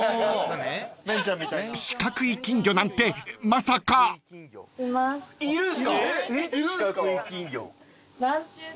［四角い金魚なんてまさか］いるんすか！？